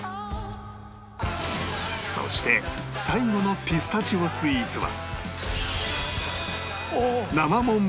そして最後のピスタチオスイーツは